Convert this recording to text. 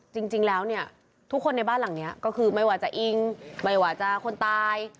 จริงแล้วเนี่ยทุกคนในบ้านหลังนี้ก็คือไม่ว่าจะอิงไม่ว่าจะคนตาย